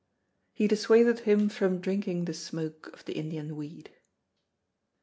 (He dissuadeth him from drinking the smoke of the Indian weed.)